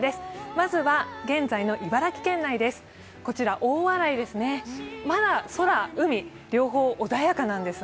まずは現在の茨城県内です。